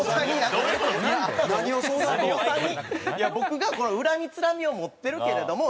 僕が恨みつらみを持ってるけれどもいいのかと。